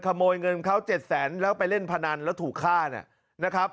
ขโมยเงินเค้า๗๐๐๐๐บาทแล้วไปเล่นพะนันแล้วถูกฆ่า